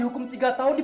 bukan nanaskah rambut